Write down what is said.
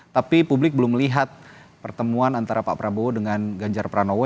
tapi publik belum melihat pertemuan antara pak prabowo dengan ganjar pranowo